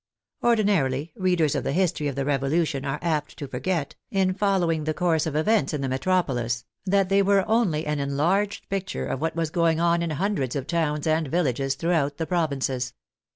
Ordinarily readers of the history of the Revolution are apt to forget, in following the course of events in the metropolis, that they were only an enlarged picture of what was going on in hundreds of towns and villages throughout the provinces.